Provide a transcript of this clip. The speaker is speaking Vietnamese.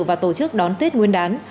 và tổ chức đón tết nguyên đán